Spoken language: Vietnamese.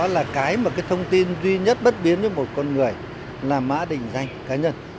thì đó là cái mà cái thông tin duy nhất bất biến cho một con người là mã định danh cá nhân